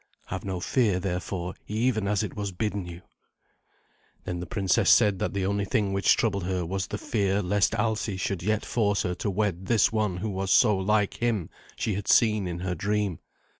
Have no fear, therefore, even as it was bidden you." Then the princess said that the only thing which troubled her was the fear lest Alsi should yet force her to wed this one who was so like him she had seen in her dream.